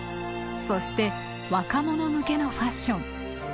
そして若者向けのファッション。